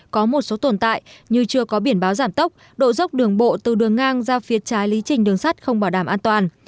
có một số tồn tại như chưa có biển báo giảm tốc độ dốc đường bộ từ đường ngang ra phía trái lý trình đường sắt không bảo đảm an toàn